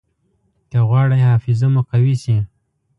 که غواړئ حافظه مو قوي شي.